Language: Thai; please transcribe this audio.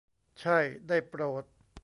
ใช่ได้โปรด !